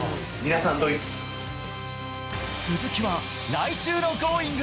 続きは来週のＧｏｉｎｇ！